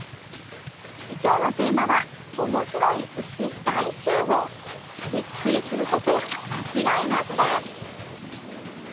今日のテーマはおもしろい石、大集合びっくりすること間違いなしです。